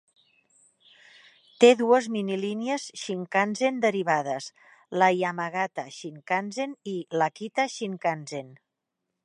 Té dues minilínies shinkansen derivades, la Yamagata Shinkansen i l'Akita Shinkansen.